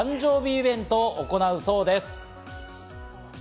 双子パンダ、誕生日イベントを行うそうです。